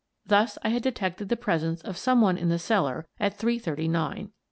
Thus I had detected the presence of some one in the cellar at three thirty nine.